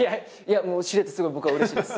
もう知れてすごい僕は嬉しいです